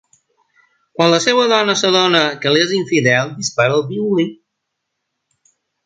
Quan la seva dona s'adona que li és infidel, dispara al violí.